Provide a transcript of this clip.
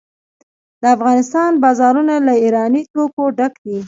د افغانستان بازارونه له ایراني توکو ډک دي.